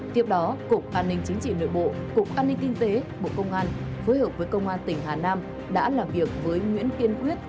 tiếp đó cục an ninh chính trị nội bộ cục an ninh kinh tế bộ công an phối hợp với công an tỉnh hà nam đã làm việc với nguyễn kiên quyết